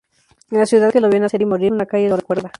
En la ciudad que lo vio nacer y morir una calle lo recuerda.